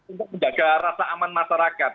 untuk menjaga rasa aman masyarakat